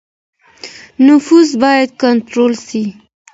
نفوس بايد کنټرول سي.